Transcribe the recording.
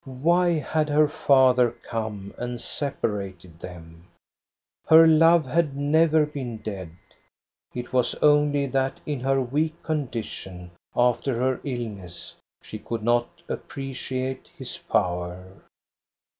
Why had her father come and separated them? Her love had never been dead. It was only that in her weak condition after her illness she could not appreciate his power.